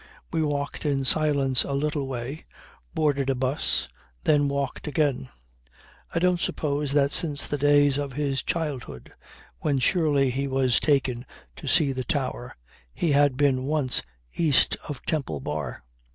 We walked in silence a little way, boarded a bus, then walked again. I don't suppose that since the days of his childhood, when surely he was taken to see the Tower, he had been once east of Temple Bar.